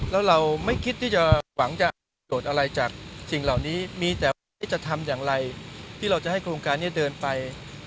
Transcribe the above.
แล้วเราไม่คิดที่จะหวังจะโกรธอะไรจากสิ่งเหล่านี้มีแต่จะทำอย่างไรที่เราจะให้โครงการนี้เดินไป